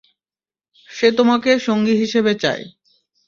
সে তোমাকে সঙ্গী হিসেবে চায়।